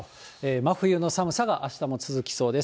真冬の寒さがあしたも続きそうです。